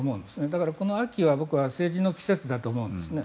だから、この秋は僕は政治の季節だと思うんですね。